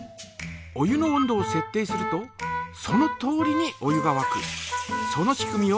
お湯の温度をせっ定するとそのとおりにお湯がわく。